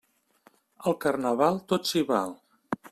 Al Carnaval, tot s'hi val.